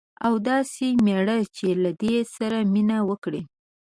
او داسي میړه چې له دې سره مینه وکړي